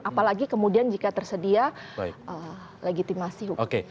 apalagi kemudian jika tersedia legitimasi hukum